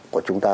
của chúng ta